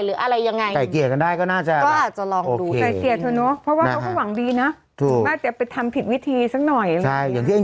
พูดเองว่าถ้าเกิดไม่ได้สองคนอาจจะดูดลงแรง